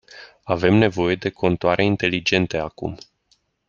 Avem nevoie de contoare inteligente acum.